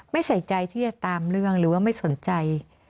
ใส่ใจที่จะตามเรื่องหรือว่าไม่สนใจ